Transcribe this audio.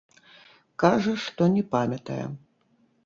Кажа, што не памятае.